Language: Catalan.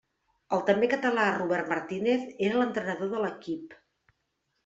El també català Robert Martínez era l'entrenador de l'equip.